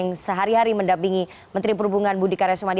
yang sehari hari mendampingi menteri perhubungan budi karya sumadi